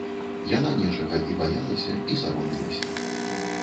Яна нечага і баялася, і саромілася.